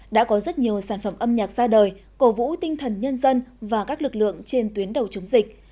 đã có rất nhiều sản phẩm âm nhạc ra đời cổ vũ tinh thần nhân dân và các lực lượng trên tuyến đầu chống dịch